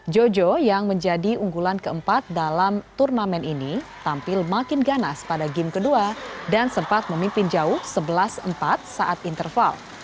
jojo yang menjadi unggulan keempat dalam turnamen ini tampil makin ganas pada game kedua dan sempat memimpin jauh sebelas empat saat interval